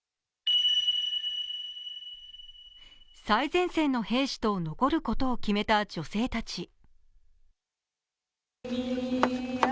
最前線の兵士と残ることを決めた女性たち。